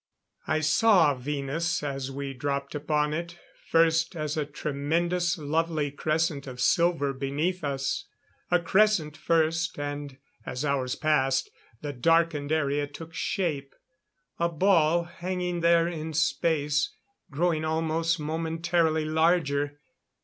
I saw Venus, as we dropped upon it, first as a tremendous lovely crescent of silver beneath us. A crescent first, and, as hours passed, the darkened area took shape. A ball hanging there in space. Growing almost momentarily larger.